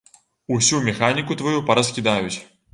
Усю механіку тваю параскідаюць!